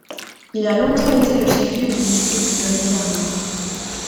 Il a longtemps été le chef-lieu du district de Rivière Noire.